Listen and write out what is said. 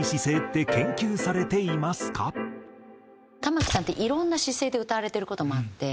玉置さんっていろんな姿勢で歌われてる事もあって。